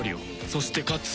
そして勝つ。